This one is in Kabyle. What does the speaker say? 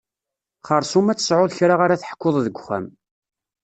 Xersum ad tesεuḍ kra ara teḥkuḍ deg uxxam.